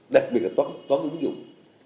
đặc biệt là toán ứng dụng